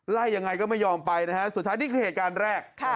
ยังไงก็ไม่ยอมไปนะฮะสุดท้ายนี่คือเหตุการณ์แรก